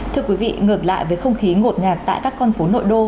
thưa quý vị ngược lại với không khí ngột ngạt tại các con phố nội đô